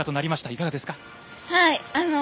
いかがですか？